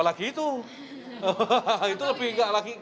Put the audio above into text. apalagi itu itu lebih nggak tahu lagi kita